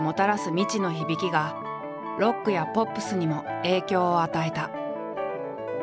未知の響きがロックやポップスにも影響を与えた。